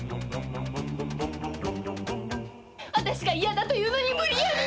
嫌だというのに無理やり。